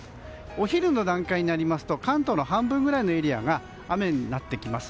お昼の段階になりますと関東の半分ぐらいのエリアが雨になってきます。